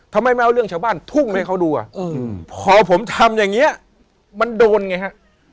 ทำไมไม่เอาเรื่องชาวบ้านทุ่งให้เขาดูอ่ะพอผมทำอย่างนี้มันโดนไงฮะ